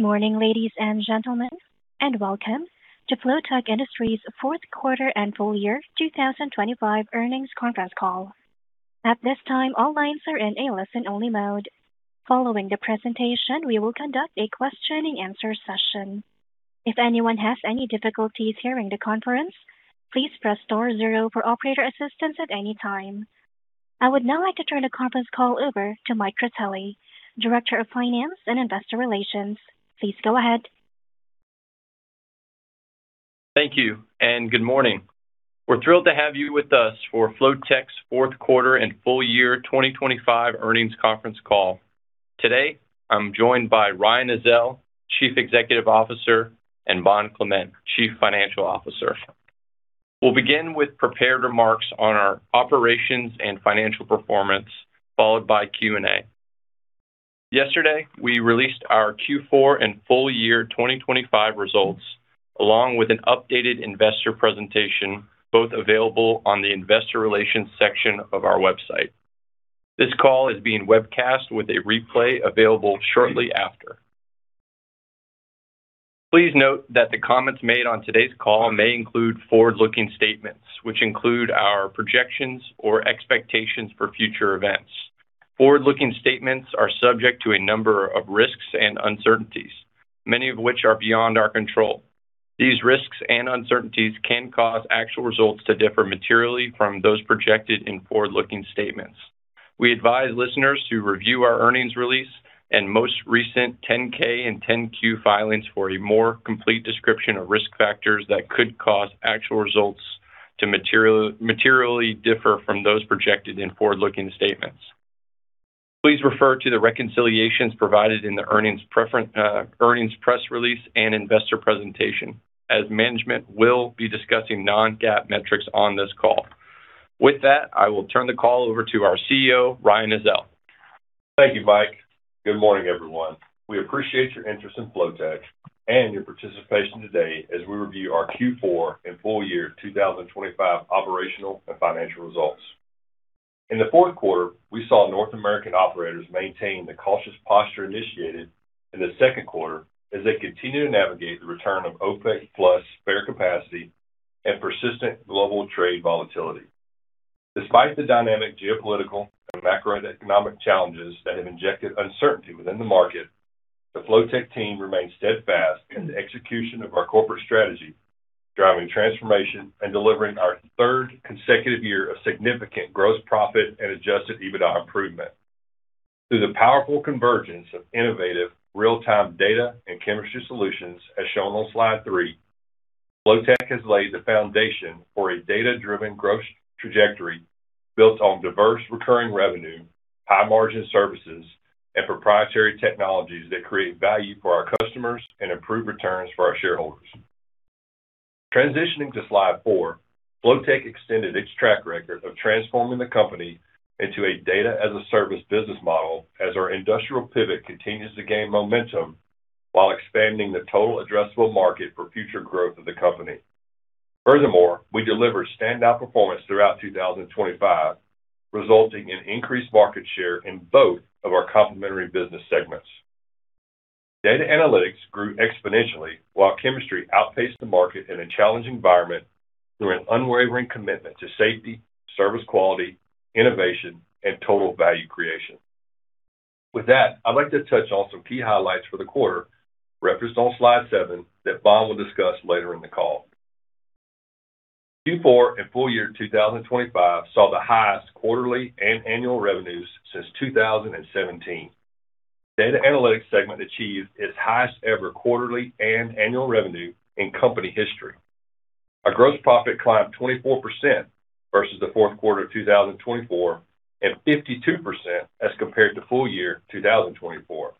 Morning, ladies and gentlemen, and welcome to Flotek Industries' fourth quarter and full year 2025 earnings conference call. At this time, all lines are in a listen-only mode. Following the presentation, we will conduct a question and answer session. If anyone has any difficulties hearing the conference, please press star zero for operator assistance at any time. I would now like to turn the conference call over to Mike Critelli, Director of Finance and Investor Relations. Please go ahead. Thank you and good morning. We're thrilled to have you with us for Flotek's fourth quarter and full year 2025 earnings conference call. Today, I'm joined by Ryan Ezell, Chief Executive Officer, and Vaughn Clement, Chief Financial Officer. We'll begin with prepared remarks on our operations and financial performance, followed by Q&A. Yesterday, we released our Q4 and full year 2025 results, along with an updated investor presentation, both available on the investor relations section of our website. This call is being webcast with a replay available shortly after. Please note that the comments made on today's call may include forward-looking statements, which include our projections or expectations for future events. Forward-looking statements are subject to a number of risks and uncertainties, many of which are beyond our control. These risks and uncertainties can cause actual results to differ materially from those projected in forward-looking statements. We advise listeners to review our earnings release and most recent Form 10-K and Form 10-Q filings for a more complete description of risk factors that could cause actual results to materially differ from those projected in forward-looking statements. Please refer to the reconciliations provided in the earnings press release and investor presentation, as management will be discussing non-GAAP metrics on this call. With that, I will turn the call over to our CEO, Ryan Ezell. Thank you, Mike. Good morning, everyone. We appreciate your interest in Flotek and your participation today as we review our Q4 and full year 2025 operational and financial results. In the fourth quarter, we saw North American operators maintain the cautious posture initiated in the second quarter as they continue to navigate the return of OPEC+ spare capacity and persistent global trade volatility. Despite the dynamic geopolitical and macroeconomic challenges that have injected uncertainty within the market, the Flotek team remains steadfast in the execution of our corporate strategy, driving transformation and delivering our third consecutive year of significant gross profit and adjusted EBITDA improvement. Through the powerful convergence of innovative real-time data and chemistry solutions, as shown on slide three, Flotek has laid the foundation for a data-driven growth trajectory built on diverse recurring revenue, high margin services, and proprietary technologies that create value for our customers and improve returns for our shareholders. Transitioning to slide four, Flotek extended its track record of transforming the company into a data-as-a-service business model as our industrial pivot continues to gain momentum while expanding the total addressable market for future growth of the company. Furthermore, we delivered standout performance throughout 2025, resulting in increased market share in both of our complementary business segments. Data analytics grew exponentially, while chemistry outpaced the market in a challenging environment through an unwavering commitment to safety, service quality, innovation, and total value creation. With that, I'd like to touch on some key highlights for the quarter referenced on slide seven that Vaughn will discuss later in the call. Q4 and full year 2025 saw the highest quarterly and annual revenues since 2017. Data analytics segment achieved its highest ever quarterly and annual revenue in company history. Our gross profit climbed 24% versus the fourth quarter of 2024 and 52% as compared to full year 2024.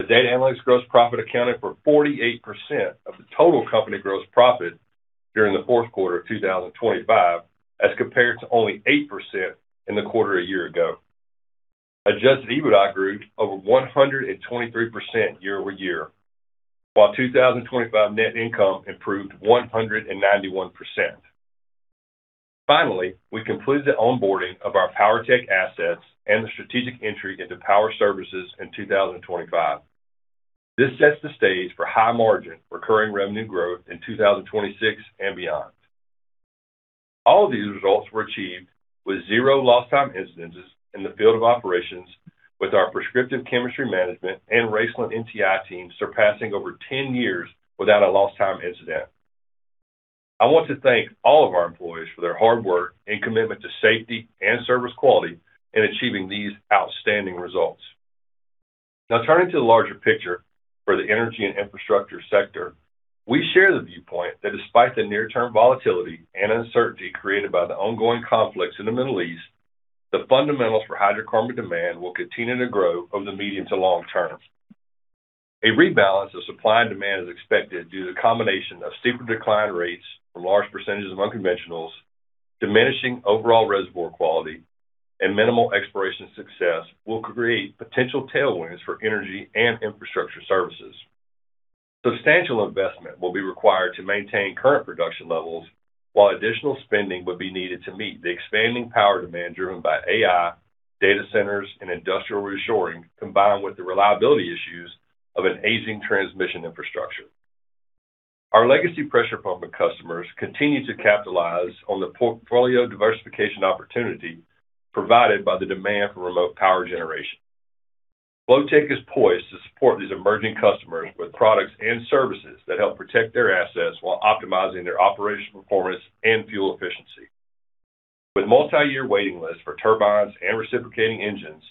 The data analytics gross profit accounted for 48% of the total company gross profit during the fourth quarter of 2025, as compared to only 8% in the quarter a year ago. Adjusted EBITDA grew over 123% year-over-year, while 2025 net income improved 191%. Finally, we completed the onboarding of our PowerTech assets and the strategic entry into power services in 2025. This sets the stage for high margin recurring revenue growth in 2026 and beyond. All of these results were achieved with 0 lost time incidents in the field of operations with our prescriptive chemistry management and Raceland NTI team surpassing over 10 years without a lost time incident. I want to thank all of our employees for their hard work and commitment to safety and service quality in achieving these outstanding results. Now turning to the larger picture for the energy and infrastructure sector, we share the viewpoint that despite the near-term volatility and uncertainty created by the ongoing conflicts in the Middle East, the fundamentals for hydrocarbon demand will continue to grow from the medium to long term. A rebalance of supply and demand is expected due to the combination of steeper decline rates from large percentages of unconventionals, diminishing overall reservoir quality, and minimal exploration success will create potential tailwinds for energy and infrastructure services. Substantial investment will be required to maintain current production levels, while additional spending would be needed to meet the expanding power demand driven by AI, data centers, and industrial reshoring, combined with the reliability issues of an aging transmission infrastructure. Our legacy pressure pumping customers continue to capitalize on the portfolio diversification opportunity provided by the demand for remote power generation. Flotek is poised to support these emerging customers with products and services that help protect their assets while optimizing their operational performance and fuel efficiency. With multi-year waiting lists for turbines and reciprocating engines,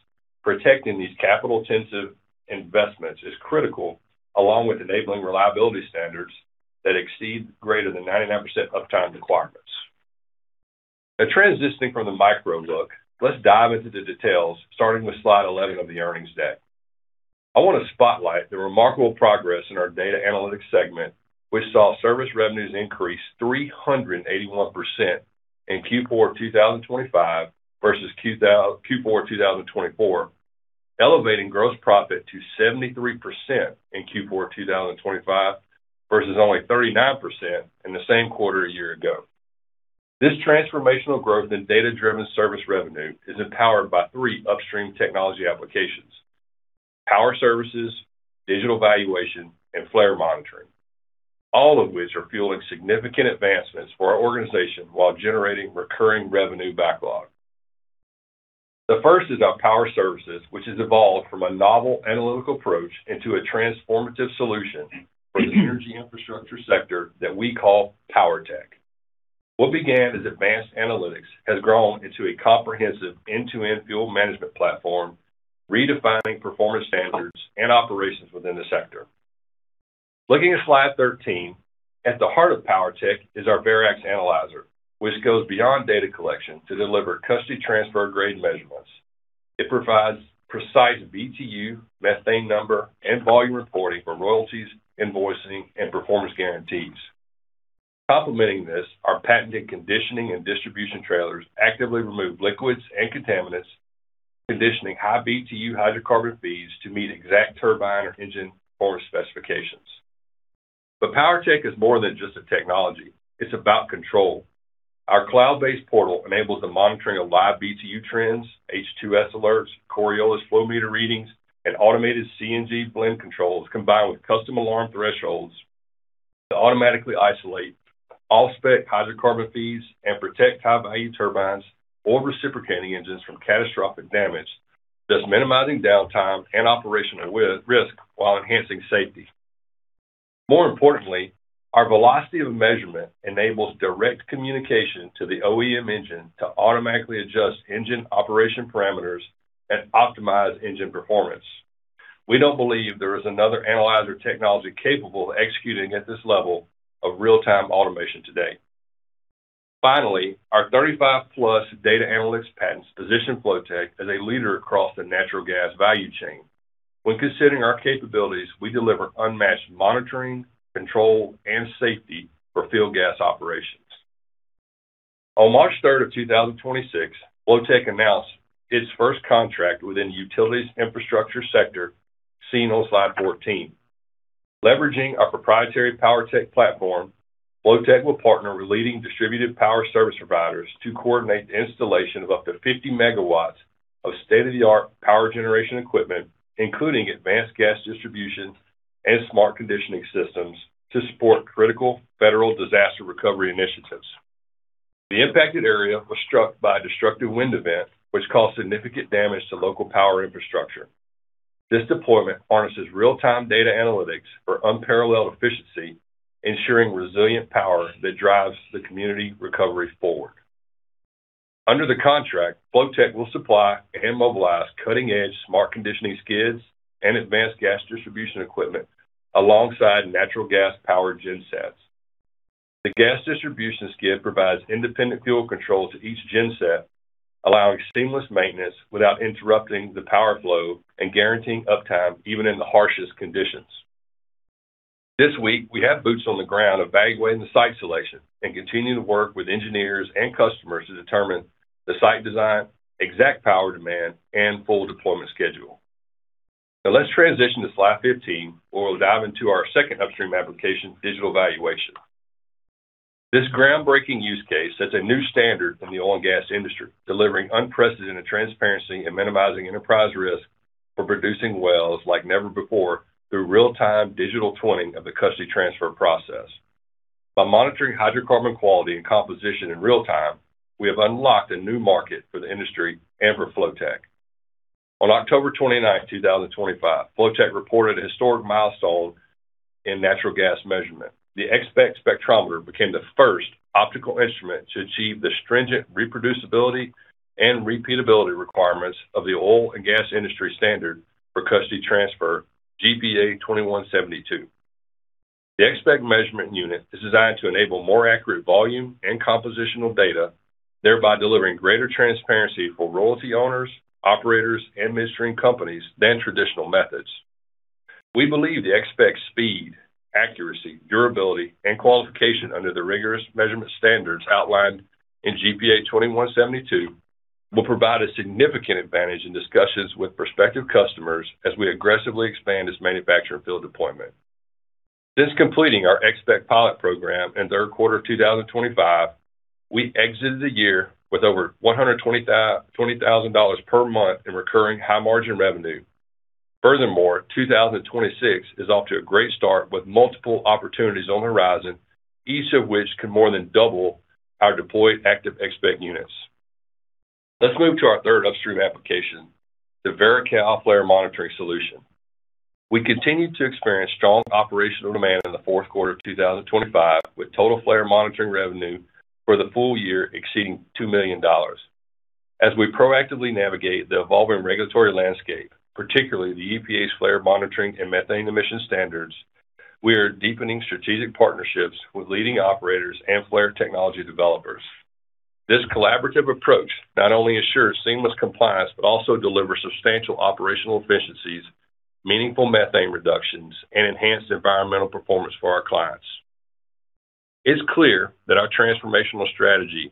protecting these capital-intensive investments is critical, along with enabling reliability standards that exceed greater than 99% uptime requirements. Now transitioning from the micro look, let's dive into the details, starting with slide 11 of the earnings deck. I want to spotlight the remarkable progress in our data analytics segment, which saw service revenues increase 381% in Q4 of 2025 versus Q4 2024, elevating gross profit to 73% in Q4 2025 versus only 39% in the same quarter a year ago. This transformational growth in data-driven service revenue is empowered by three upstream technology applications: power services, digital valuation, and flare monitoring, all of which are fueling significant advancements for our organization while generating recurring revenue backlog. The first is our power services, which has evolved from a novel analytical approach into a transformative solution for the energy infrastructure sector that we call PowerTech. What began as advanced analytics has grown into a comprehensive end-to-end fuel management platform, redefining performance standards and operations within the sector. Looking at slide 13, at the heart of PowerTech is our Varex Analyzer, which goes beyond data collection to deliver custody transfer grade measurements. It provides precise BTU, methane number, and volume reporting for royalties, invoicing, and performance guarantees. Complementing this, our patented conditioning and distribution trailers actively remove liquids and contaminants, conditioning high BTU hydrocarbon feeds to meet exact turbine or engine performance specifications. PowerTech is more than just a technology; it's about control. Our cloud-based portal enables the monitoring of live BTU trends, H2S alerts, Coriolis flow meter readings, and automated CNG blend controls, combined with custom alarm thresholds to automatically isolate off-spec hydrocarbon feeds and protect high-value turbines or reciprocating engines from catastrophic damage, thus minimizing downtime and operational risk while enhancing safety. More importantly, our velocity of measurement enables direct communication to the OEM engine to automatically adjust engine operation parameters and optimize engine performance. We don't believe there is another analyzer technology capable of executing at this level of real-time automation today. Finally, our 35+ data analytics patents position Flotek as a leader across the natural gas value chain. When considering our capabilities, we deliver unmatched monitoring, control, and safety for field gas operations. On March 3, 2026, Flotek announced its first contract within the utilities infrastructure sector, seen on slide 14. Leveraging our proprietary PowerTech platform, Flotek will partner with leading distributed power service providers to coordinate the installation of up to 50 MW of state-of-the-art power generation equipment, including advanced gas distribution and smart conditioning systems to support critical federal disaster recovery initiatives. The impacted area was struck by a destructive wind event, which caused significant damage to local power infrastructure. This deployment harnesses real-time data analytics for unparalleled efficiency, ensuring resilient power that drives the community recovery forward. Under the contract, Flotek will supply and mobilize cutting-edge smart conditioning skids and advanced gas distribution equipment alongside natural gas powered gen sets. The gas distribution skid provides independent fuel control to each gen set, allowing seamless maintenance without interrupting the power flow and guaranteeing uptime even in the harshest conditions. This week, we have boots on the ground evaluating the site selection and continuing to work with engineers and customers to determine the site design, exact power demand, and full deployment schedule. Now let's transition to slide 15, where we'll dive into our second upstream application, digital valuation. This groundbreaking use case sets a new standard in the oil and gas industry, delivering unprecedented transparency and minimizing enterprise risk for producing wells like never before through real-time digital twinning of the custody transfer process. By monitoring hydrocarbon quality and composition in real time, we have unlocked a new market for the industry and for Flotek. On October twenty-ninth, two thousand and twenty-five, Flotek reported a historic milestone in natural gas measurement. The X-SPEC spectrometer became the first optical instrument to achieve the stringent reproducibility and repeatability requirements of the oil and gas industry standard for custody transfer, GPA 2172. The X-SPEC measurement unit is designed to enable more accurate volume and compositional data, thereby delivering greater transparency for royalty owners, operators, and midstream companies than traditional methods. We believe the X-SPEC's speed, accuracy, durability, and qualification under the rigorous measurement standards outlined in GPA 2172 will provide a significant advantage in discussions with prospective customers as we aggressively expand this manufacturing and field deployment. Since completing our X-SPEC pilot program in third quarter 2025, we exited the year with over $120,000 per month in recurring high margin revenue. Furthermore, 2026 is off to a great start with multiple opportunities on the horizon, each of which could more than double our deployed active X-SPEC units. Let's move to our third upstream application, the VeriCal flare monitoring solution. We continued to experience strong operational demand in the fourth quarter of 2025, with total flare monitoring revenue for the full year exceeding $2 million. As we proactively navigate the evolving regulatory landscape, particularly the EPA's flare monitoring and methane emission standards, we are deepening strategic partnerships with leading operators and flare technology developers. This collaborative approach not only assures seamless compliance, but also delivers substantial operational efficiencies, meaningful methane reductions, and enhanced environmental performance for our clients. It's clear that our transformational strategy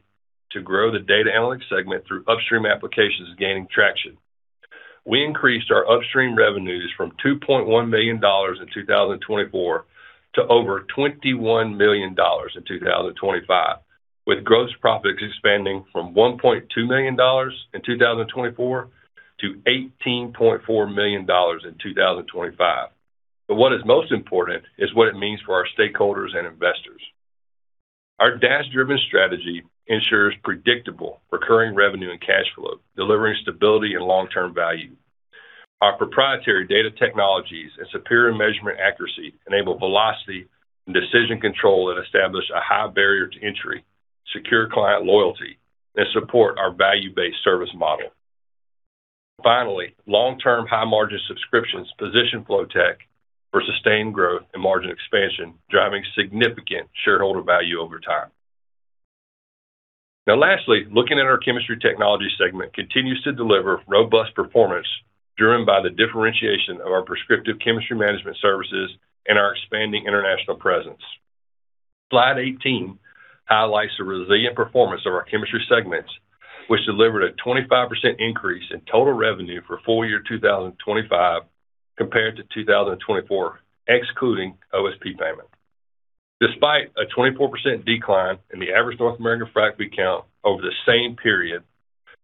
to grow the data analytics segment through upstream applications is gaining traction. We increased our upstream revenues from $2.1 million in 2024 to over $21 million in 2025, with gross profits expanding from $1.2 million in 2024 to $18.4 million in 2025. What is most important is what it means for our stakeholders and investors. Our DaaS driven strategy ensures predictable recurring revenue and cash flow, delivering stability and long term value. Our proprietary data technologies and superior measurement accuracy enable velocity and decision control that establish a high barrier to entry, secure client loyalty, and support our value-based service model. Finally, long term high margin subscriptions position Flotek for sustained growth and margin expansion, driving significant shareholder value over time. Now lastly, looking at our chemistry technology segment continues to deliver robust performance driven by the differentiation of our prescriptive chemistry management services and our expanding international presence. Slide 18 highlights the resilient performance of our chemistry segments, which delivered a 25% increase in total revenue for full year 2025 compared to 2024, excluding OSP payment. Despite a 24% decline in the average North American frac count over the same period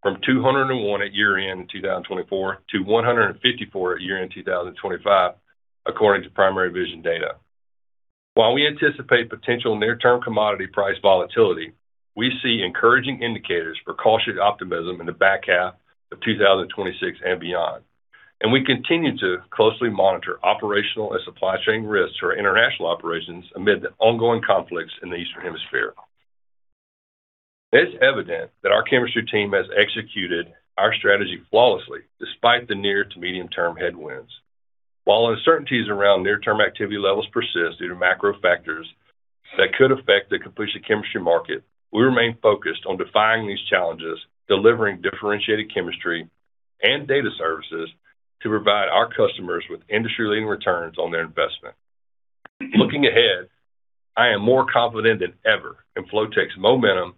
from 201 at year end in 2024 to 154 at year end in 2025, according to Primary Vision data. While we anticipate potential near term commodity price volatility, we see encouraging indicators for cautious optimism in the back half of 2026 and beyond. We continue to closely monitor operational and supply chain risks for our international operations amid the ongoing conflicts in the Eastern Hemisphere. It's evident that our chemistry team has executed our strategy flawlessly despite the near to medium term headwinds. While uncertainties around near term activity levels persist due to macro factors that could affect the completion chemistry market, we remain focused on defying these challenges, delivering differentiated chemistry and data services to provide our customers with industry leading returns on their investment. Looking ahead, I am more confident than ever in Flotek's momentum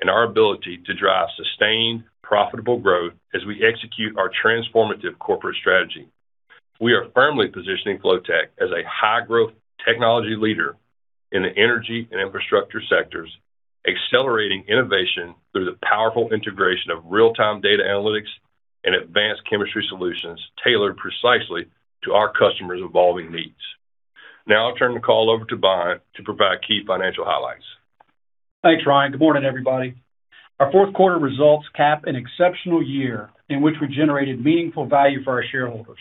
and our ability to drive sustained, profitable growth as we execute our transformative corporate strategy. We are firmly positioning Flotek as a high growth technology leader in the energy and infrastructure sectors, accelerating innovation through the powerful integration of real time data analytics and advanced chemistry solutions tailored precisely to our customers' evolving needs. Now I'll turn the call over to Bond to provide key financial highlights. Thanks, Ryan. Good morning, everybody. Our fourth quarter results cap an exceptional year in which we generated meaningful value for our shareholders.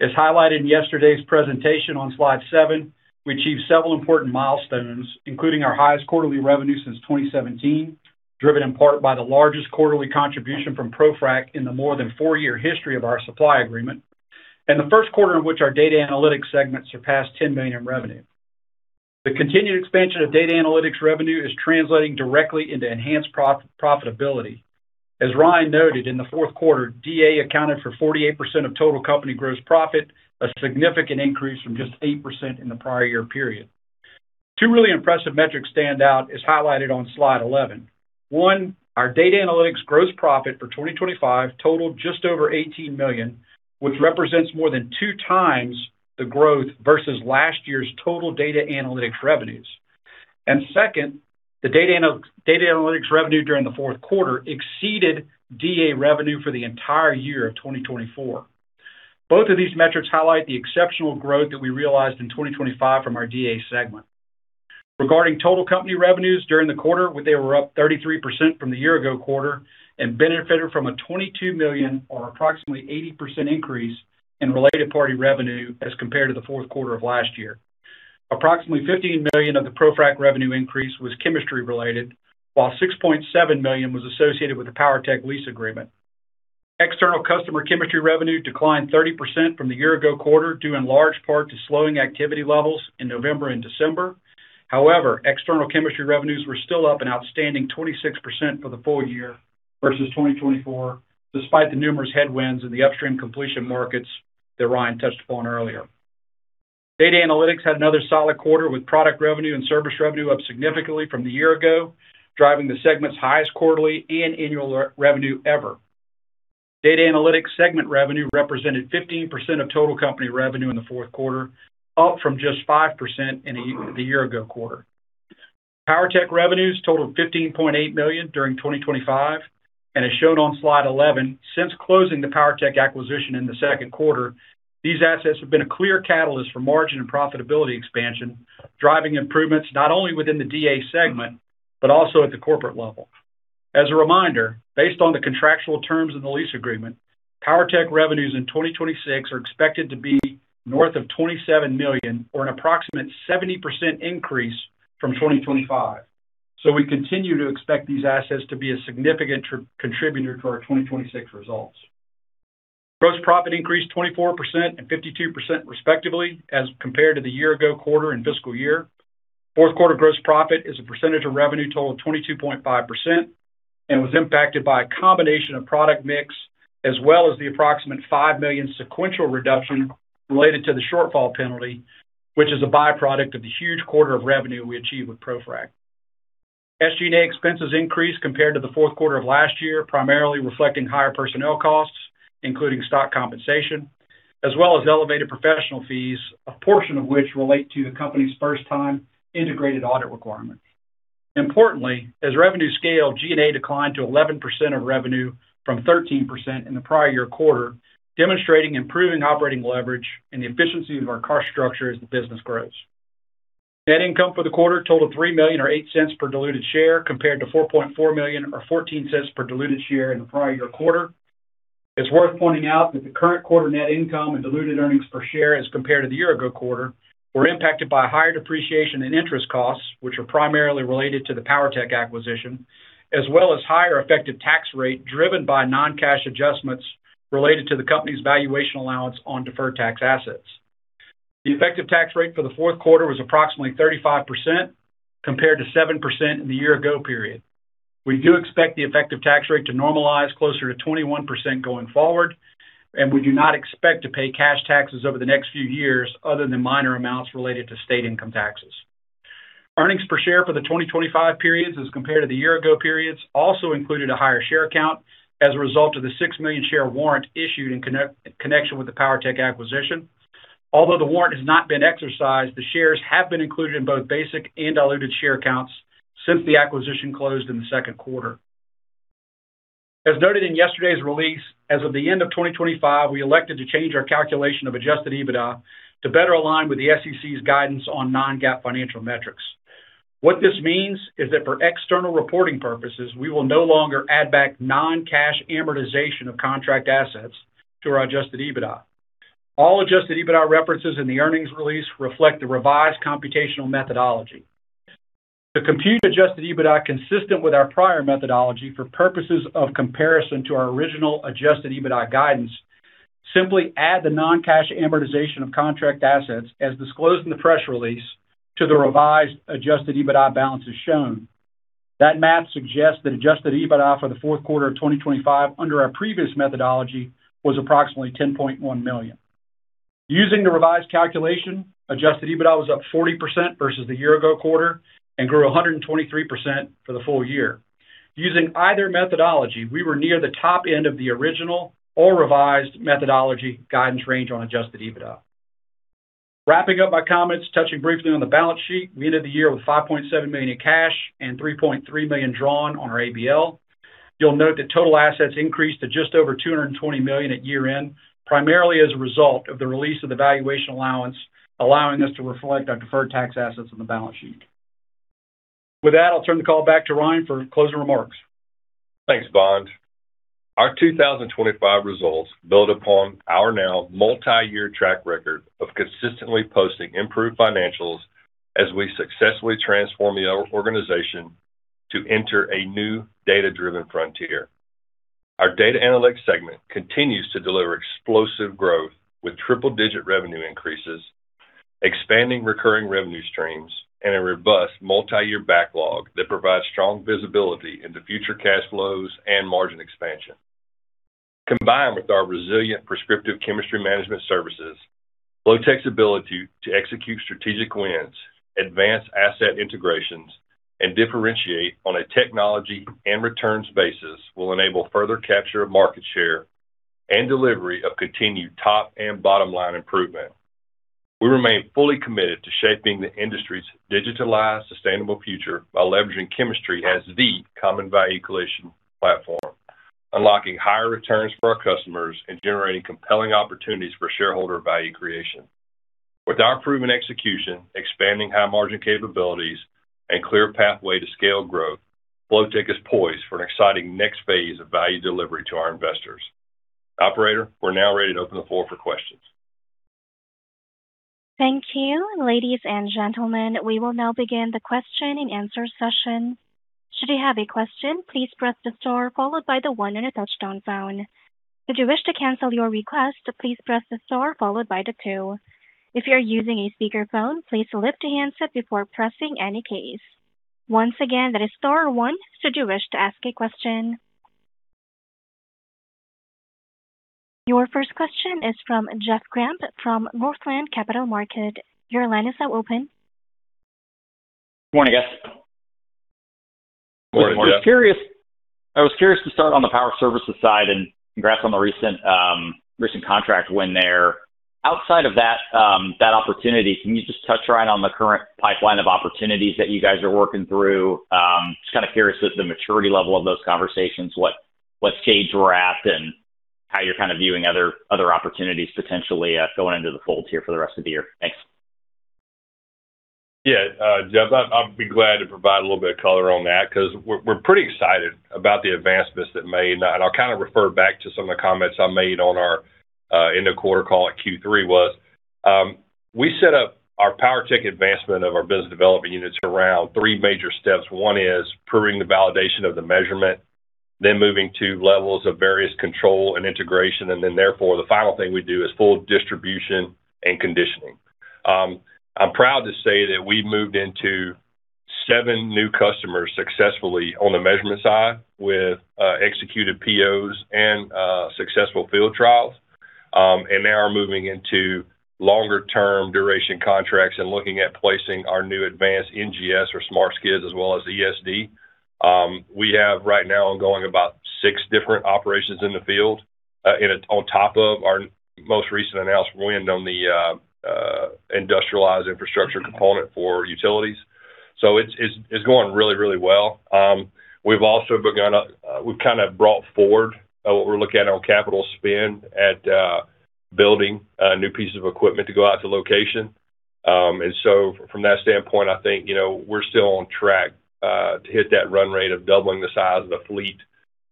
As highlighted in yesterday's presentation on slide seven, we achieved several important milestones, including our highest quarterly revenue since 2017, driven in part by the largest quarterly contribution from ProFrac in the more than four-year history of our supply agreement, and the first quarter in which our data analytics segment surpassed $10 million in revenue. The continued expansion of data analytics revenue is translating directly into enhanced profitability. As Ryan noted, in the fourth quarter, DA accounted for 48% of total company gross profit, a significant increase from just 8% in the prior year period. Two really impressive metrics stand out as highlighted on slide 11. One, our data analytics gross profit for 2025 totaled just over $18 million, which represents more than 2x the growth versus last year's total data analytics revenues. Second, the data analytics revenue during the fourth quarter exceeded DA revenue for the entire year of 2024. Both of these metrics highlight the exceptional growth that we realized in 2025 from our DA segment. Regarding total company revenues during the quarter, they were up 33% from the year-ago quarter and benefited from a $22 million or approximately 80% increase in related party revenue as compared to the fourth quarter of last year. Approximately $15 million of the ProFrac revenue increase was chemistry related, while $6.7 million was associated with the PowerTech lease agreement. External customer chemistry revenue declined 30% from the year ago quarter, due in large part to slowing activity levels in November and December. However, external chemistry revenues were still up an outstanding 26% for the full year versus 2024, despite the numerous headwinds in the upstream completion markets that Ryan touched upon earlier. Data Analytics had another solid quarter with product revenue and service revenue up significantly from the year ago quarter, driving the segment's highest quarterly and annual revenue ever. Data Analytics segment revenue represented 15% of total company revenue in the fourth quarter, up from just 5% in the year ago quarter. PowerTech revenues totaled $15.8 million during 2025, and as shown on slide 11, since closing the PowerTech acquisition in the second quarter, these assets have been a clear catalyst for margin and profitability expansion, driving improvements not only within the DA segment but also at the corporate level. As a reminder, based on the contractual terms of the lease agreement, PowerTech revenues in 2026 are expected to be north of $27 million or an approximate 70% increase from 2025. We continue to expect these assets to be a significant contributor to our 2026 results. Gross profit increased 24% and 52% respectively as compared to the year ago quarter and fiscal year. Fourth quarter gross profit as a percentage of revenue totaled 22.5% and was impacted by a combination of product mix as well as the approximate $5 million sequential reduction related to the shortfall penalty, which is a byproduct of the huge quarter of revenue we achieved with ProFrac. SG&A expenses increased compared to the fourth quarter of last year, primarily reflecting higher personnel costs, including stock compensation, as well as elevated professional fees, a portion of which relate to the company's first time integrated audit requirement. Importantly, as revenue scaled, G&A declined to 11% of revenue from 13% in the prior year quarter, demonstrating improving operating leverage and the efficiency of our cost structure as the business grows. Net income for the quarter totaled $3 million or $0.08 per diluted share, compared to $4.4 million or $0.14 per diluted share in the prior year quarter. It's worth pointing out that the current quarter net income and diluted earnings per share as compared to the year ago quarter, were impacted by higher depreciation and interest costs, which are primarily related to the PowerTech acquisition, as well as higher effective tax rate driven by non-cash adjustments related to the company's valuation allowance on deferred tax assets. The effective tax rate for the fourth quarter was approximately 35%, compared to 7% in the year ago period. We do expect the effective tax rate to normalize closer to 21% going forward, and we do not expect to pay cash taxes over the next few years other than minor amounts related to state income taxes. Earnings per share for the 2025 periods as compared to the year ago periods also included a higher share count as a result of the 6 million share warrant issued in connection with the PowerTech acquisition. Although the warrant has not been exercised, the shares have been included in both basic and diluted share counts since the acquisition closed in the second quarter. As noted in yesterday's release, as of the end of 2025, we elected to change our calculation of adjusted EBITDA to better align with the SEC's guidance on non-GAAP financial metrics. What this means is that for external reporting purposes, we will no longer add back non-cash amortization of contract assets to our adjusted EBITDA. All adjusted EBITDA references in the earnings release reflect the revised computational methodology. To compute adjusted EBITDA consistent with our prior methodology for purposes of comparison to our original adjusted EBITDA guidance, simply add the non-cash amortization of contract assets as disclosed in the press release to the revised adjusted EBITDA balance as shown. That math suggests that adjusted EBITDA for the fourth quarter of 2025 under our previous methodology was approximately $10.1 million. Using the revised calculation, adjusted EBITDA was up 40% versus the year ago quarter and grew 123% for the full year. Using either methodology, we were near the top end of the original or revised methodology guidance range on adjusted EBITDA. Wrapping up my comments, touching briefly on the balance sheet, we ended the year with $5.7 million in cash and $3.3 million drawn on our ABL. You'll note that total assets increased to just over $220 million at year-end, primarily as a result of the release of the valuation allowance, allowing us to reflect our deferred tax assets on the balance sheet. With that, I'll turn the call back to Ryan for closing remarks. Thanks, Vaughn. Our 2025 results build upon our now multi-year track record of consistently posting improved financials as we successfully transform the organization to enter a new data-driven frontier. Our Data Analytics segment continues to deliver explosive growth with triple-digit revenue increases, expanding recurring revenue streams, and a robust multi-year backlog that provides strong visibility into future cash flows and margin expansion. Combined with our resilient prescriptive chemistry management services, Flotek's ability to execute strategic wins, advance asset integrations, and differentiate on a technology and returns basis will enable further capture of market share and delivery of continued top and bottom line improvement. We remain fully committed to shaping the industry's digitalized, sustainable future by leveraging chemistry as the common value creation platform, unlocking higher returns for our customers, and generating compelling opportunities for shareholder value creation. With our proven execution, expanding high margin capabilities, and clear pathway to scale growth, Flotek is poised for an exciting next phase of value delivery to our investors. Operator, we're now ready to open the floor for questions. Thank you. Ladies and gentlemen, we will now begin the question and answer session. Should you have a question, please press the star followed by the one on your touchtone phone. If you wish to cancel your request, please press the star followed by the two. If you're using a speakerphone, please lift the handset before pressing any keys. Once again, that is star one should you wish to ask a question. Your first question is from Jeff Grampp from Northland Capital Markets. Your line is now open. Good morning, guys. Good morning, Jeff. I was curious to start on the power services side, and congrats on the recent contract win there. Outside of that opportunity, can you just touch right on the current pipeline of opportunities that you guys are working through? Just kind of curious at the maturity level of those conversations, what stage we're at and how you're kind of viewing other opportunities potentially going into the fold here for the rest of the year. Thanks. Yeah. Jeff, I'd be glad to provide a little bit of color on that because we're pretty excited about the advancements that we've made. I'll kind of refer back to some of the comments I made on our end of quarter call. At Q3, we set up our PowerTech advancement of our business development units around three major steps. One is proving the validation of the measurement, then moving to levels of various control and integration, and then therefore, the final thing we do is full distribution and conditioning. I'm proud to say that we've moved into seven new customers successfully on the measurement side with executed POs and successful field trials, and now are moving into longer-term duration contracts and looking at placing our new advanced NGS or smart skids as well as ESD. We have right now ongoing about six different operations in the field, and on top of our most recent announced win on the industrialized infrastructure component for utilities. It's going really well. We've kind of brought forward what we're looking at on capital spend at building new pieces of equipment to go out to location. From that standpoint, I think, you know, we're still on track to hit that run rate of doubling the size of the fleet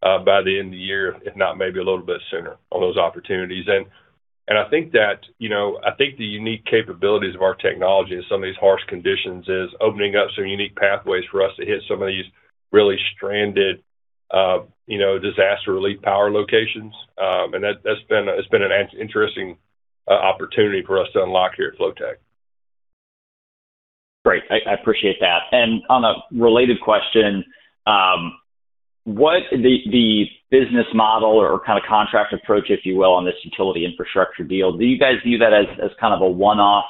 by the end of the year, if not maybe a little bit sooner on those opportunities. I think that, you know, the unique capabilities of our technology in some of these harsh conditions is opening up some unique pathways for us to hit some of these really stranded, you know, disaster relief power locations. That's been an interesting opportunity for us to unlock here at Flotek. Great. I appreciate that. On a related question, what the business model or kind of contract approach, if you will, on this utility infrastructure deal, do you guys view that as kind of a one-off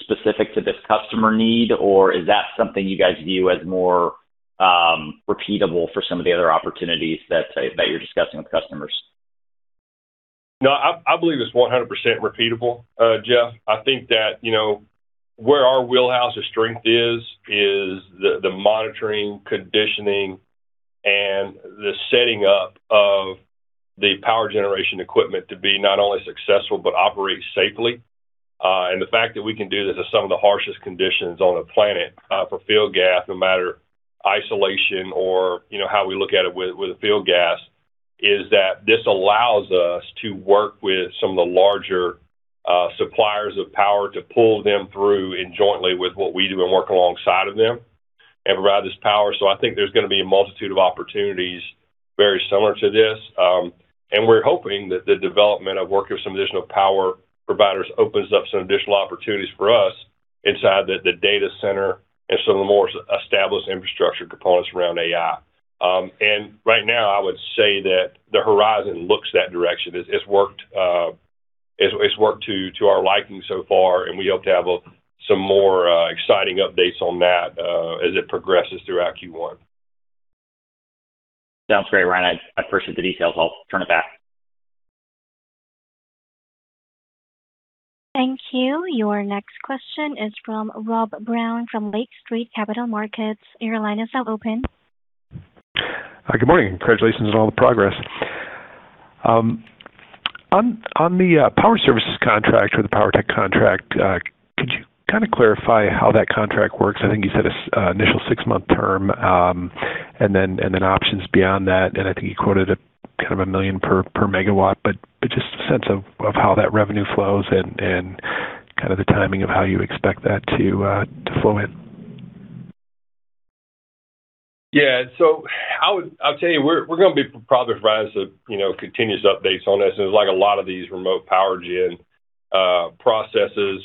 specific to this customer need? Or is that something you guys view as more repeatable for some of the other opportunities that you're discussing with customers? No, I believe it's 100% repeatable, Jeff. I think that, you know, where our wheelhouse or strength is the monitoring, conditioning, and the setting up of the power generation equipment to be not only successful but operate safely. The fact that we can do this in some of the harshest conditions on the planet, for field gas, no matter isolation or, you know, how we look at it with the field gas, is that this allows us to work with some of the larger suppliers of power to pull them through and jointly with what we do and work alongside of them and provide this power. I think there's gonna be a multitude of opportunities very similar to this. We're hoping that the development of working with some additional power providers opens up some additional opportunities for us inside the data center and some of the more established infrastructure components around AI. Right now, I would say that the horizon looks that direction. It's worked to our liking so far, and we hope to have some more exciting updates on that as it progresses throughout Q1. Sounds great, Ryan. I appreciate the details. I'll turn it back. Thank you. Your next question is from Rob Brown from Lake Street Capital Markets. Your line is now open. Good morning. Congratulations on all the progress. On the power services contract or the PowerTech contract, could you kinda clarify how that contract works? I think you said initial six-month term, and then options beyond that, and I think you quoted a kind of $1 million per megawatt. Just a sense of how that revenue flows and kind of the timing of how you expect that to flow in. Yeah. I'll tell you, we're gonna be probably providing some, you know, continuous updates on this. There's like a lot of these remote power gen processes.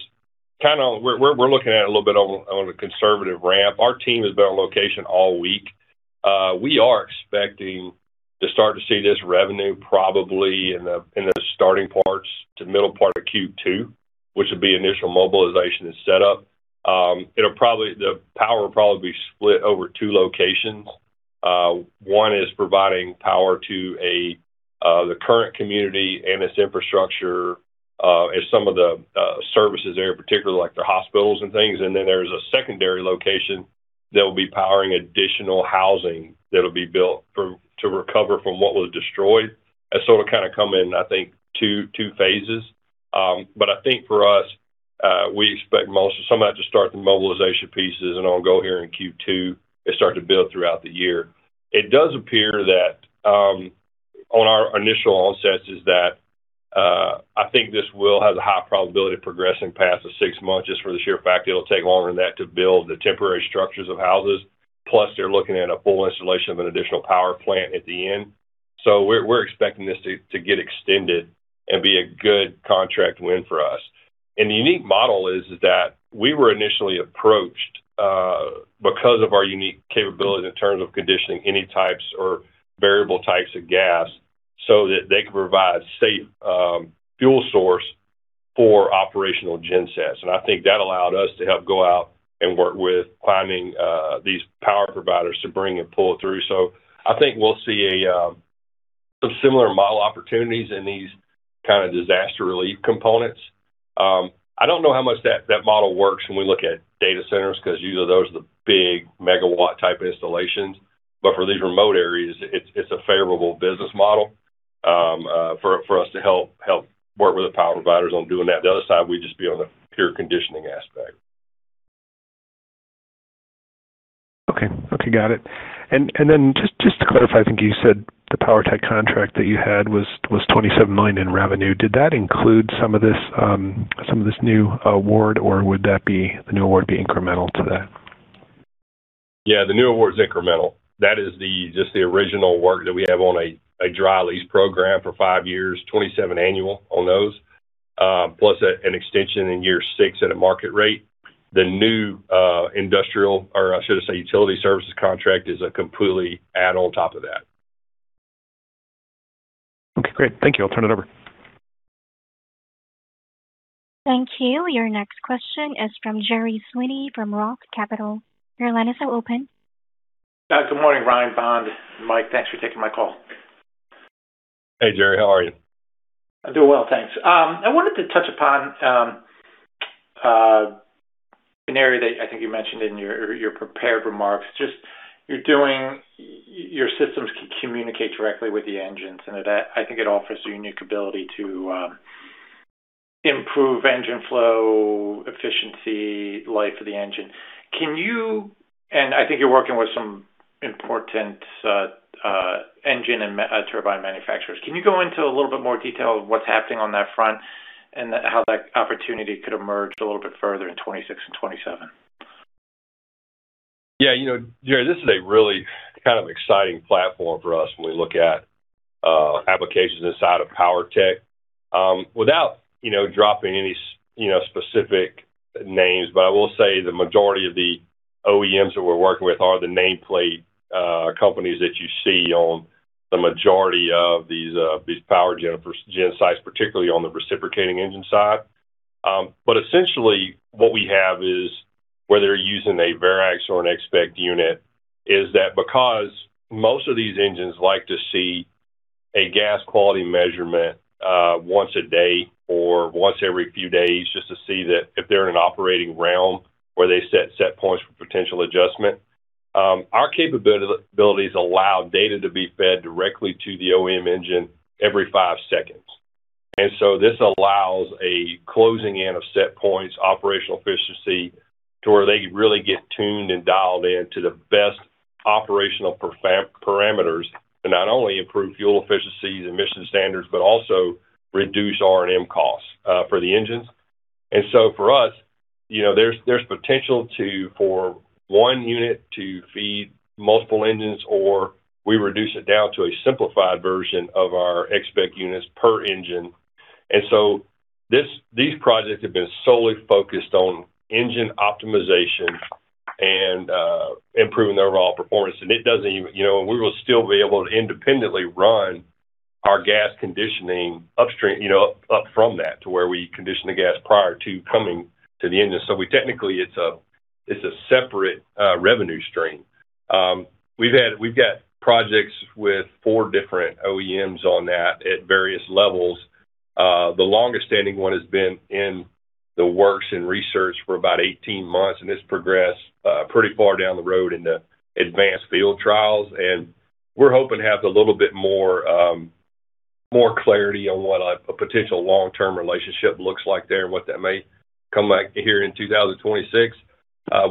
Kinda we're looking at a little bit of a on a conservative ramp. Our team has been on location all week. We are expecting to start to see this revenue probably in the starting parts to middle part of Q2, which would be initial mobilization and setup. It'll probably the power will probably be split over two locations. One is providing power to the current community and its infrastructure, and some of the services there in particular, like the hospitals and things. Then there's a secondary location that will be powering additional housing that'll be built to recover from what was destroyed. It'll kinda come in, I think, two phases. I think for us, we expect some of that to start the mobilization pieces and all go here in Q2. It start to build throughout the year. It does appear that on our initial assessment is that I think this will have a high probability of progressing past the six months just for the sheer fact it'll take longer than that to build the temporary structures or houses. Plus, they're looking at a full installation of an additional power plant at the end. We're expecting this to get extended and be a good contract win for us. The unique model is that we were initially approached because of our unique capabilities in terms of conditioning any types or variable types of gas so that they can provide safe fuel source for operational gensets. I think that allowed us to help go out and work with finding these power providers to bring and pull it through. I think we'll see some similar model opportunities in these kind of disaster relief components. I don't know how much that model works when we look at data centers, 'cause usually those are the big megawatt type installations. For these remote areas, it's a favorable business model for us to help work with the power providers on doing that. The other side, we just be on the pure conditioning aspect. Okay. Okay, got it. Just to clarify, I think you said the PowerTech contract that you had was $27 million in revenue. Did that include some of this, some of this new award, or would the new award be incremental to that? The new award is incremental. That is just the original work that we have on a dry lease program for five years, 27 million annually on those, plus an extension in year 6 at a market rate. The new industrial, or I should say utility services contract is a complete add-on on top of that. Okay, great. Thank you. I'll turn it over. Thank you. Your next question is from Gerry Sweeney from ROTH Capital. Your line is now open. Good morning, Ryan, Vaughn. Mike, thanks for taking my call. Hey, Gerry. How are you? I'm doing well, thanks. I wanted to touch upon an area that I think you mentioned in your prepared remarks, just your systems can communicate directly with the engines, and that I think it offers a unique ability to improve engine flow, efficiency, life of the engine. Can you, I think you're working with some important engine and turbine manufacturers. Can you go into a little bit more detail of what's happening on that front and how that opportunity could emerge a little bit further in 2026 and 2027? Yeah. You know, Gerry, this is a really kind of exciting platform for us when we look at applications inside of PowerTech. Without, you know, dropping any specific names, but I will say the majority of the OEMs that we're working with are the nameplate companies that you see on the majority of these power gen or gensites, particularly on the reciprocating engine side. Essentially what we have is whether you're using a Varex or an XSPCT unit, is that because most of these engines like to see a gas quality measurement once a day or once every few days just to see that if they're in an operating realm where they set points for potential adjustment, our capabilities allow data to be fed directly to the OEM engine every five seconds. This allows a closing in of set points, operational efficiency to where they can really get tuned and dialed in to the best operational parameters to not only improve fuel efficiencies, emission standards, but also reduce R&M costs for the engines. For us, you know, there's potential for one unit to feed multiple engines, or we reduce it down to a simplified version of our XSPCT units per engine. It doesn't even. You know, we will still be able to independently run our gas conditioning upstream, you know, up from that to where we condition the gas prior to coming to the engine. We technically it's a separate revenue stream. We've got projects with four different OEMs on that at various levels. The longest standing one has been in the works in research for about 18 months, and it's progressed pretty far down the road into advanced field trials, and we're hoping to have a little bit more clarity on what a potential long-term relationship looks like there and what that may come back here in 2026.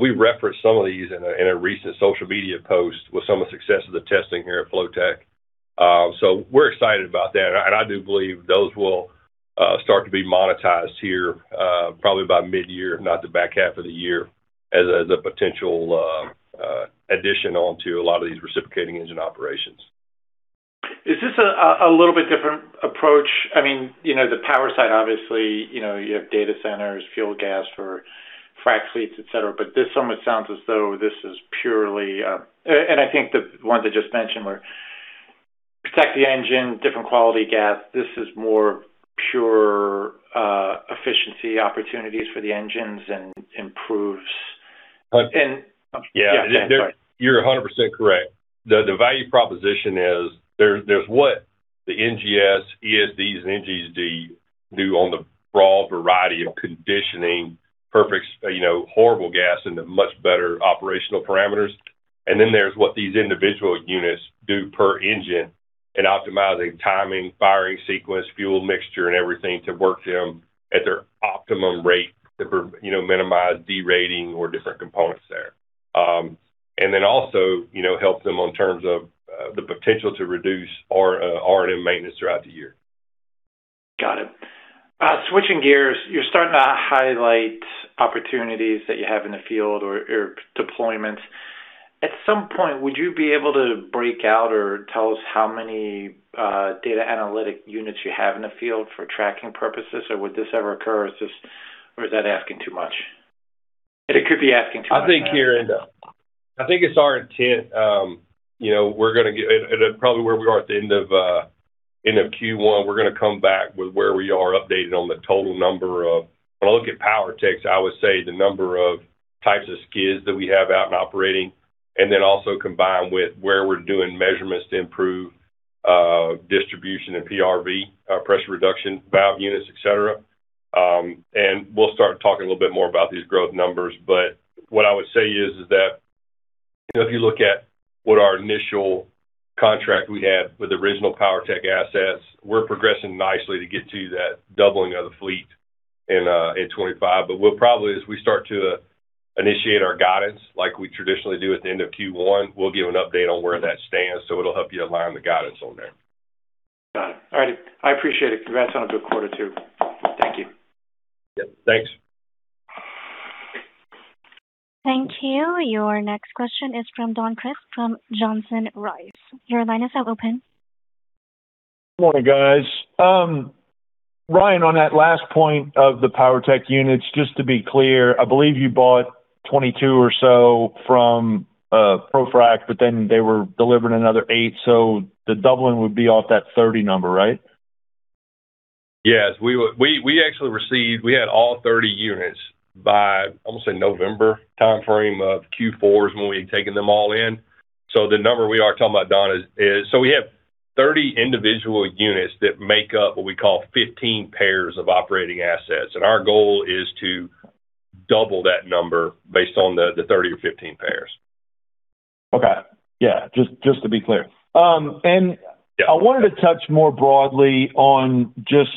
We referenced some of these in a recent social media post with some of the success of the testing here at Flotek. We're excited about that. I do believe those will start to be monetized here probably by mid-year, if not the back half of the year as a potential addition onto a lot of these reciprocating engine operations. Is this a little bit different approach? I mean, you know, the power side, obviously, you know, you have data centers, fuel gas for frac fleets, et cetera. This almost sounds as though this is purely. I think the ones I just mentioned were protect the engine, different quality gas. This is more pure, efficiency opportunities for the engines and improves. And- And- Yeah. Yeah. Sorry. You're 100% correct. The value proposition is there. There's what the NGS, ESDs, and NGSD do on the broad variety of conditioning. You know, horrible gas into much better operational parameters. Then there's what these individual units do per engine in optimizing timing, firing sequence, fuel mixture, and everything to work them at their optimum rate. You know, minimize derating or different components there. You know, help them in terms of the potential to reduce R&M maintenance throughout the year. Got it. Switching gears, you're starting to highlight opportunities that you have in the field or deployments. At some point, would you be able to break out or tell us how many data analytic units you have in the field for tracking purposes? Or would this ever occur, or is that asking too much? It could be asking too much. I think it's our intent, you know, probably where we are at the end of Q1, we're gonna come back with where we are updated on the total number of. When I look at PowerTech, I would say the number of types of skids that we have out and operating, and then also combined with where we're doing measurements to improve distribution and PRV pressure reduction valve units, et cetera. We'll start talking a little bit more about these growth numbers. What I would say is that, you know, if you look at what our initial contract we had with original PowerTech assets, we're progressing nicely to get to that doubling of the fleet in 2025. We'll probably, as we start to initiate our guidance, like we traditionally do at the end of Q1, we'll give an update on where that stands, so it'll help you align the guidance on there. Got it. All righty. I appreciate it. Congrats on a good quarter two. Thank you. Yep. Thanks. Thank you. Your next question is from Donald Crist from Johnson Rice. Your line is now open. Morning, guys. Ryan, on that last point of the PowerTech units, just to be clear, I believe you bought 22 or so from ProFrac, but then they were delivering another 8. The doubling would be off that 30 number, right? Yes. We actually had all 30 units by, I'm gonna say, November timeframe of Q4 is when we had taken them all in. So the number we are talking about, Don, is. So we have 30 individual units that make up what we call 15 pairs of operating assets. Our goal is to double that number based on the 30 or 15 pairs. Okay. Yeah. Just to be clear. Yeah. I wanted to touch more broadly on just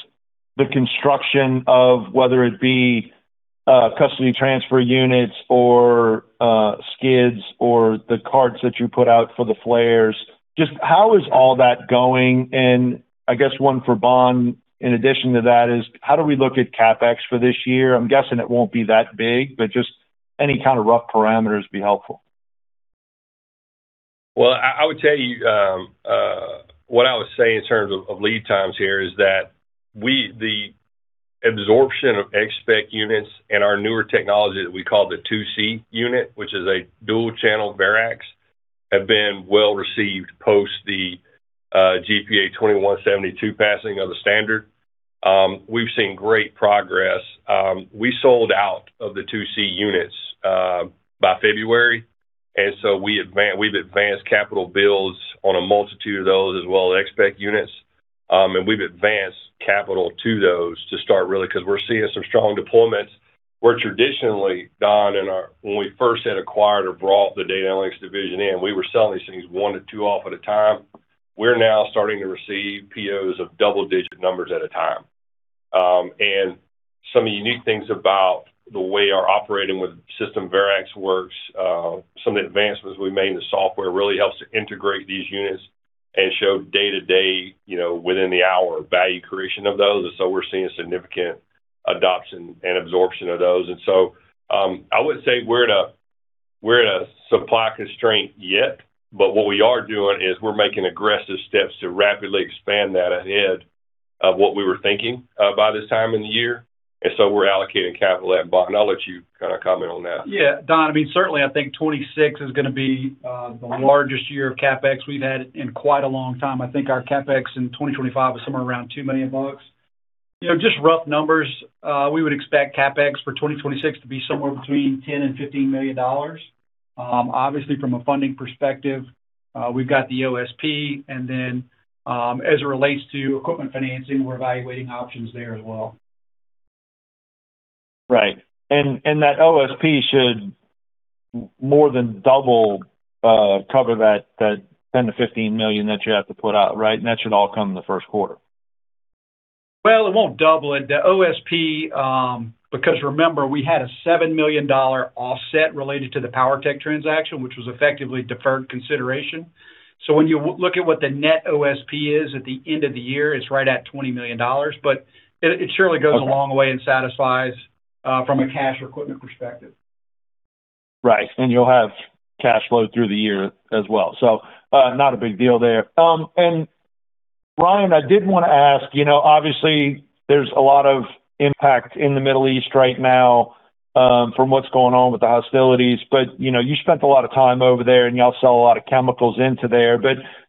the construction of whether it be, custody transfer units or, skids or the carts that you put out for the flares. Just how is all that going? I guess one for Bon, in addition to that, is how do we look at CapEx for this year? I'm guessing it won't be that big, but just any kind of rough parameters would be helpful. Well, I would tell you what I would say in terms of lead times here is that we the absorption of X-SPEC units and our newer technology that we call the 2C unit, which is a dual channel Varex, have been well received post the GPA 2172 passing of the standard. We've seen great progress. We sold out of the 2C units by February, and we've advanced capital builds on a multitude of those as well as X-SPEC units. We've advanced capital to those to start, really because we're seeing some strong deployments. Where traditionally, Don, when we first had acquired or brought the data analytics division in, we were selling these things one to two off at a time. We're now starting to receive POs of double-digit numbers at a time. Some of the unique things about the way our operating with system Varex works, some of the advancements we made in the software really helps to integrate these units and show day-to-day, you know, within the hour value creation of those. We're seeing significant adoption and absorption of those. I wouldn't say we're at a, we're at a supply constraint yet, but what we are doing is we're making aggressive steps to rapidly expand that ahead of what we were thinking by this time in the year. We're allocating capital at Bond. I'll let you kinda comment on that. Yeah. Don, I mean, certainly I think 2026 is gonna be the largest year of CapEx we've had in quite a long time. I think our CapEx in 2025 was somewhere around $2 million. You know, just rough numbers, we would expect CapEx for 2026 to be somewhere between $10 million and $15 million. Obviously from a funding perspective, we've got the OSP and then, as it relates to equipment financing, we're evaluating options there as well. Right. That OSP should more than double cover that $10 million-$15 million that you have to put out, right? That should all come in the first quarter. Well, it won't double it. The OSP because remember, we had a $7 million offset related to the PowerTech transaction, which was effectively deferred consideration. When you look at what the net OSP is at the end of the year, it's right at $20 million. It surely goes a long way and satisfies from a cash or equipment perspective. Right. You'll have cash flow through the year as well. Not a big deal there. Ryan, I did wanna ask, you know, obviously there's a lot of impact in the Middle East right now, from what's going on with the hostilities. You know, you spent a lot of time over there, and y'all sell a lot of chemicals into there.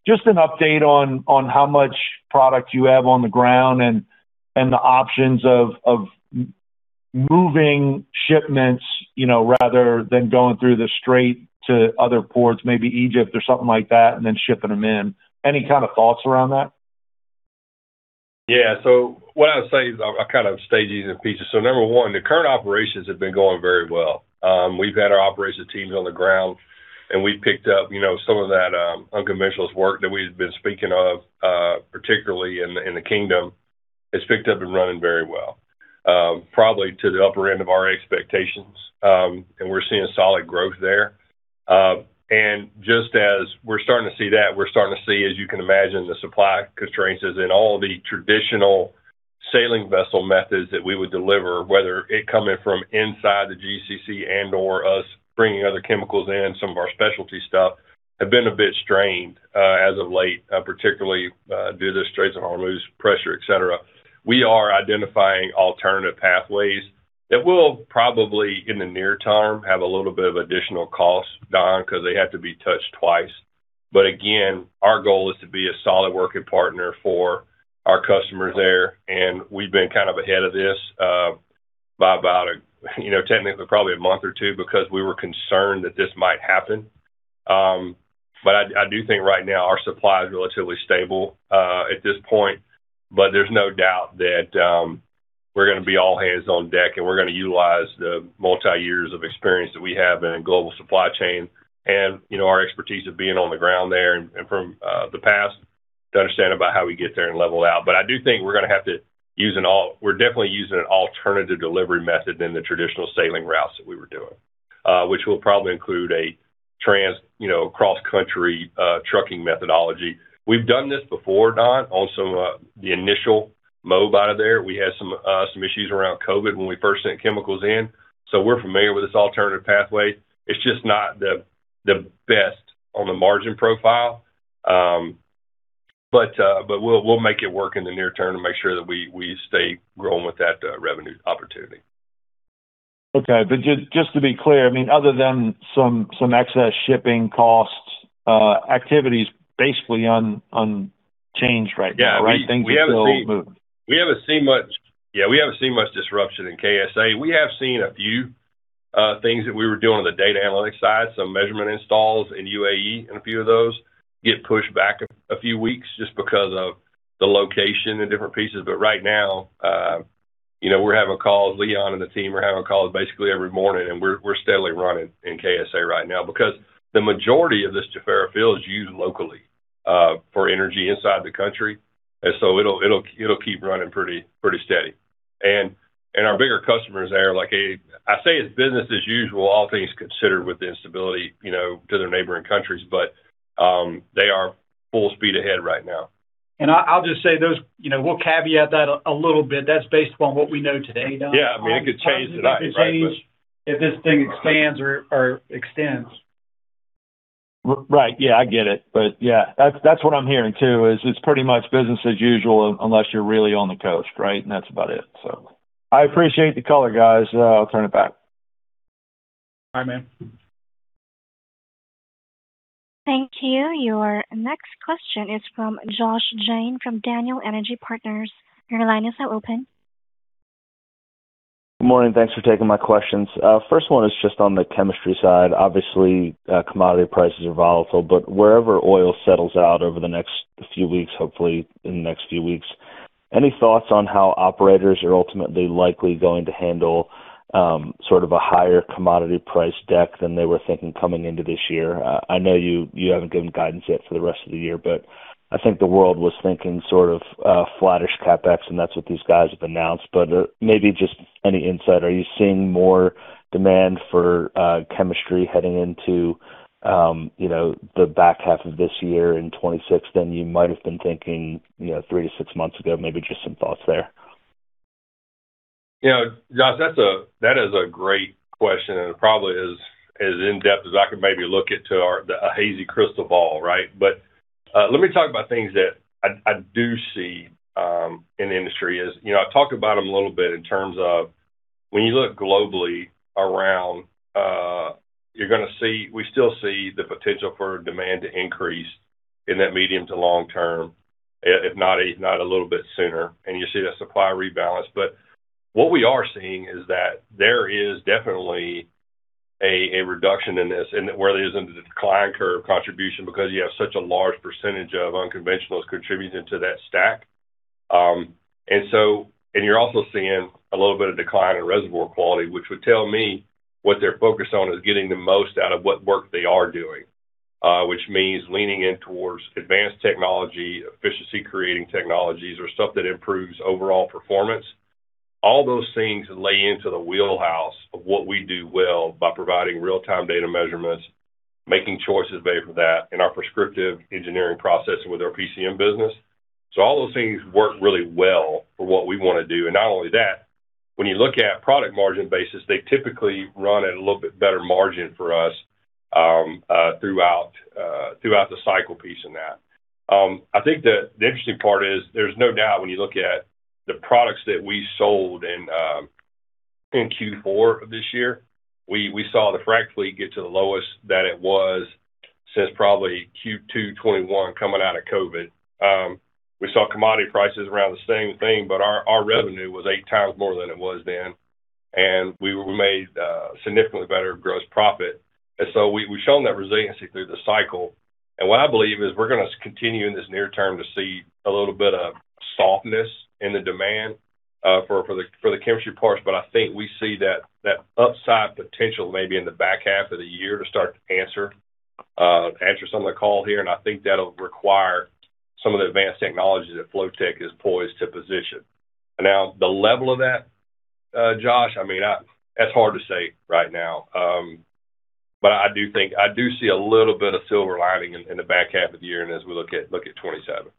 Just an update on how much product you have on the ground and the options of moving shipments, you know, rather than going through the Strait to other ports, maybe Egypt or something like that, and then shipping them in. Any kind of thoughts around that? Yeah. What I'd say is I kind of stage these in pieces. Number one, the current operations have been going very well. We've had our operations teams on the ground, and we picked up, you know, some of that unconventional work that we had been speaking of, particularly in the Kingdom. It's picked up and running very well, probably to the upper end of our expectations. And we're seeing solid growth there. Just as we're starting to see that, as you can imagine, the supply constraints is in all the traditional sailing vessel methods that we would deliver, whether it coming from inside the GCC and/or us bringing other chemicals in, some of our specialty stuff, have been a bit strained, as of late, particularly, due to the Strait of Hormuz pressure, et cetera. We are identifying alternative pathways that will probably, in the near term, have a little bit of additional cost, Don, because they have to be touched twice. Again, our goal is to be a solid working partner for our customers there, and we've been kind of ahead of this, by about a, you know, technically probably a month or two because we were concerned that this might happen. I do think right now our supply is relatively stable at this point. There's no doubt that we're gonna be all hands on deck, and we're gonna utilize the multi-years of experience that we have in a global supply chain and, you know, our expertise of being on the ground there and from the past to understand about how we get there and level out. I do think we're definitely using an alternative delivery method than the traditional sailing routes that we were doing, which will probably include a cross-country trucking methodology. We've done this before, Don, on some of the initial move out of there. We had some issues around COVID when we first sent chemicals in, so we're familiar with this alternative pathway. It's just not the best on the margin profile, but we'll make it work in the near term to make sure that we stay growing with that revenue opportunity. Okay. Just to be clear, I mean, other than some excess shipping costs, activity is basically unchanged right now, right? Yeah. We haven't seen- Things are still moving. We haven't seen much disruption in KSA. We have seen a few things that we were doing on the data analytics side, some measurement installs in UAE, and a few of those get pushed back a few weeks just because of the location and different pieces. Right now, you know, we're having calls. Leon and the team are having calls basically every morning, and we're steadily running in KSA right now. Because the majority of this Jafurah field is used locally for energy inside the country. It'll keep running pretty steady. Our bigger customers there. I say it's business as usual, all things considered, with the instability, you know, to their neighboring countries, but they are full speed ahead right now. I'll just say those, you know, we'll caveat that a little bit. That's based upon what we know today, Don. Yeah. I mean, it could change tonight, right? It could change if this thing expands or extends. Right. Yeah, I get it. But yeah, that's what I'm hearing too, is it's pretty much business as usual unless you're really on the coast, right? That's about it. I appreciate the color, guys. I'll turn it back. All right, man. Thank you. Your next question is from Josh Jayne from Daniel Energy Partners. Your line is now open. Good morning. Thanks for taking my questions. First one is just on the chemistry side. Obviously, commodity prices are volatile, but wherever oil settles out over the next few weeks, hopefully in the next few weeks, any thoughts on how operators are ultimately likely going to handle, sort of a higher commodity price deck than they were thinking coming into this year? I know you haven't given guidance yet for the rest of the year, but I think the world was thinking sort of, flattish CapEx, and that's what these guys have announced. Maybe just any insight. Are you seeing more demand for, chemistry heading into, you know, the back half of this year in 2026 than you might have been thinking, you know, three to six months ago? Maybe just some thoughts there. You know, Josh, that's a great question, and probably as in-depth as I could maybe look into a hazy crystal ball, right. Let me talk about things that I do see in the industry. You know, I'll talk about them a little bit in terms of when you look globally around, you're gonna see we still see the potential for demand to increase in that medium to long term, if not a little bit sooner. You see that supply rebalance. What we are seeing is that there is definitely a reduction in this and whether there's a decline curve contribution because you have such a large percentage of unconventionals contributing to that stack. You're also seeing a little bit of decline in reservoir quality, which would tell me what they're focused on is getting the most out of what work they are doing, which means leaning in towards advanced technology, efficiency-creating technologies or stuff that improves overall performance. All those things lay into the wheelhouse of what we do well by providing real-time data measurements, making choices based off of that in our prescriptive engineering process with our PCM business. All those things work really well for what we wanna do. Not only that, when you look at product margin basis, they typically run at a little bit better margin for us, throughout the cycle piece in that. I think the interesting part is there's no doubt when you look at the products that we sold in Q4 of this year, we saw the frac fleet get to the lowest that it was since probably Q2 2021 coming out of COVID. We saw commodity prices around the same thing, but our revenue was eight times more than it was then, and we made significantly better gross profit. We’ve shown that resiliency through the cycle. What I believe is we're gonna continue in this near term to see a little bit of softness in the demand for the chemistry parts. I think we see that upside potential maybe in the back half of the year to start to answer some of the call here, and I think that'll require some of the advanced technologies that Flotek is poised to position. Now, the level of that, Josh, that's hard to say right now. I do see a little bit of silver lining in the back half of the year and as we look at 2027.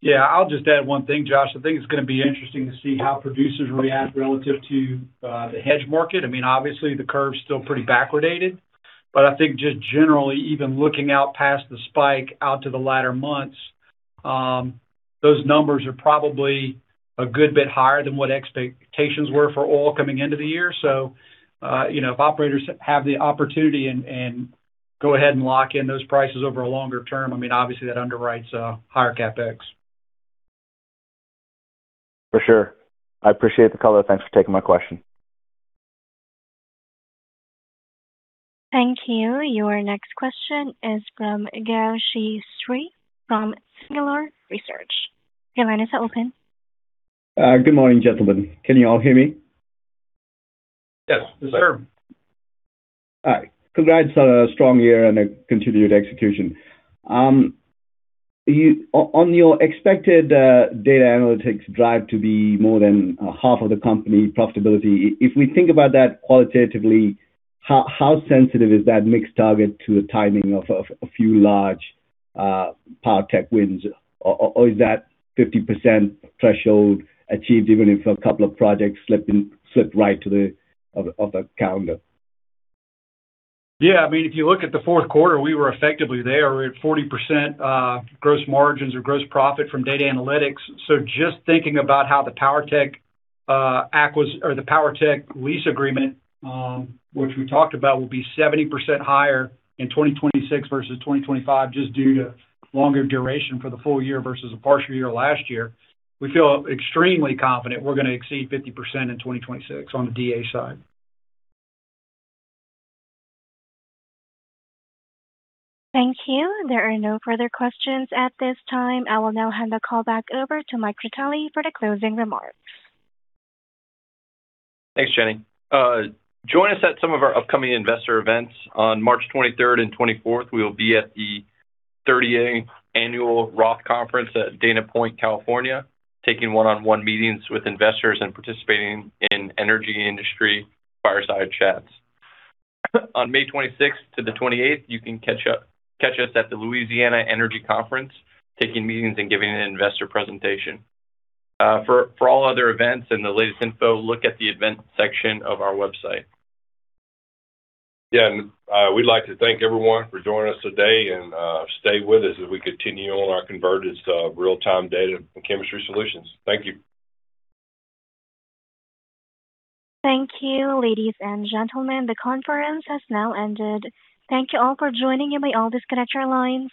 Yeah. I'll just add one thing, Josh. I think it's gonna be interesting to see how producers react relative to the hedge market. I mean, obviously the curve's still pretty backwardated, but I think just generally even looking out past the spike out to the latter months, those numbers are probably a good bit higher than what expectations were for oil coming into the year. So, you know, if operators have the opportunity and go ahead and lock in those prices over a longer term, I mean, obviously that underwrites higher CapEx. For sure. I appreciate the color. Thanks for taking my question. Thank you. Your next question is from Gowshihan Sriharan from Singular Research. Your line is now open. Good morning, gentlemen. Can you all hear me? Yes. Yes, sir. All right. Congrats on a strong year and a continued execution. On your expected data analytics drive to be more than half of the company profitability, if we think about that qualitatively, how sensitive is that mixed target to the timing of a few large PowerTech wins? Or is that 50% threshold achieved even if a couple of projects slip right to the end of the calendar? Yeah. I mean, if you look at the fourth quarter, we were effectively there. We're at 40% gross margins or gross profit from data analytics. Just thinking about how the PowerTech lease agreement, which we talked about, will be 70% higher in 2026 versus 2025 just due to longer duration for the full year versus a partial year last year, we feel extremely confident we're gonna exceed 50% in 2026 on the DA side. Thank you. There are no further questions at this time. I will now hand the call back over to Mike Critelli for the closing remarks. Thanks, Jenny. Join us at some of our upcoming investor events on March 23rd and 24th. We will be at the 38th annual Roth Conference at Dana Point, California, taking one-on-one meetings with investors and participating in energy industry fireside chats. On May 26th to the 28th, you can catch us at the Louisiana Energy Conference, taking meetings and giving an investor presentation. For all other events and the latest info, look at the events section of our website. Yeah. We'd like to thank everyone for joining us today and stay with us as we continue on our convergence of real-time data and chemistry solutions. Thank you. Thank you, ladies and gentlemen. The conference has now ended. Thank you all for joining. You may all disconnect your lines.